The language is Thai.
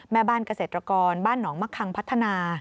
แม่บ้านเกษตรกรบ้านหนองมะคังพัฒนา